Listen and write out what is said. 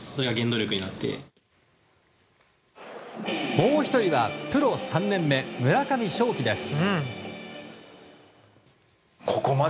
もう１人はプロ３年目の村上頌樹です。